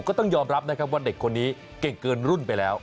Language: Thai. ก็ต้องยอมรับนะครับว่าเด็กคนนี้เก่งเกินรุ่นไปแล้ว